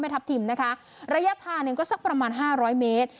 ทัพทิมนะคะระยะทางเนี่ยก็สักประมาณห้าร้อยเมตร